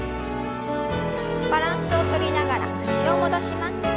バランスをとりながら脚を戻します。